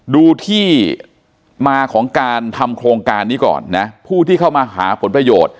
ดูที่มาของการทำโครงการนี้ก่อนนะผู้ที่เข้ามาหาผลประโยชน์